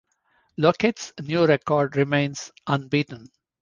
Lockett's new record remains unbeaten.